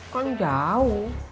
kok lu jauh